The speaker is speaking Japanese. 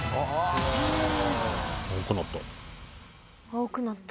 青くなった。